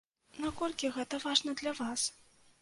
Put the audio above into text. Наколькі гэта важна для вас?